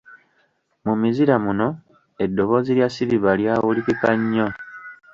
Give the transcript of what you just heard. Mu mizira muno eddoboozi lya Silver lyawulikika nnyo.